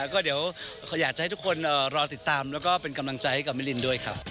ก็เดี๋ยวอยากจะให้ทุกคนรอติดตามแล้วก็เป็นกำลังใจให้กับมิลินด้วยครับ